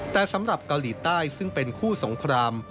แต่สำหรับเกาหลีใต้ซึ่งเป็นคู่สงคราม